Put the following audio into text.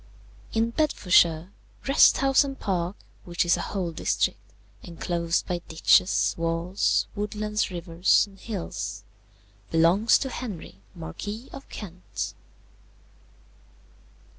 "In Bedfordshire, Wrest House and Park, which is a whole district, enclosed by ditches, walls, woodlands, rivers, and hills, belongs to Henry, Marquis of Kent.